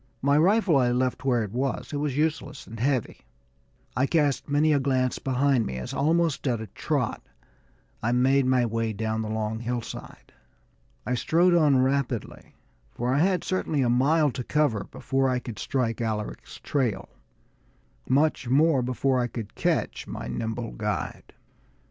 My rifle I left where it was; it was useless and heavy. I cast many a glance behind me as, almost at a trot, I made my way down the long hillside. I strode on rapidly, for I had certainly a mile to cover before I could strike Alaric's trail, much more before I could catch my nimble guide.